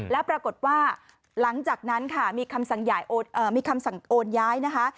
แล้วปรากฏว่าหลังจากนั้นค่ะมีคำสั่งโอนย้ายนะคะ